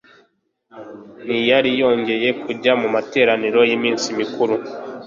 ntiyari yongcye kujya mu materaniro y'iminsi mikuru.